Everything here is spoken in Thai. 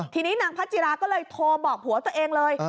ทีนี้นางพระจิราก็เลยโทรบอกผัวตัวเองเลย